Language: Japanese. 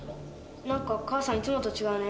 何か母さんいつもと違うね。